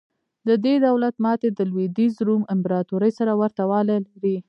د دې دولت ماتې د لوېدیځ روم امپراتورۍ سره ورته والی لري.